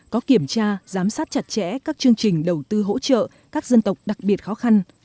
có kiểm tra giám sát chặt chẽ các chương trình đầu tư hỗ trợ các dân tộc đặc biệt khó khăn